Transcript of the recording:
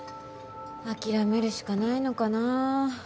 諦めるしかないのかな。